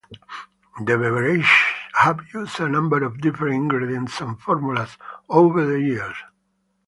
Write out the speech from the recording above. The beverages have used a number of different ingredients and formulas over the years.